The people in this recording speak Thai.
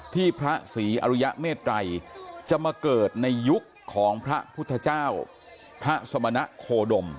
พระศรีอริยเมตรัยจะมาเกิดในยุคของพระพุทธเจ้าพระสมณะโคดม